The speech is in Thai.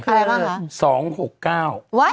คืออะไรบ้างคะ๒๖๙